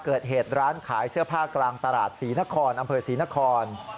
เกิดเหตุร้านขายเสื้อผ้ากลางตลาดศรีนครอำเภอศรีนคร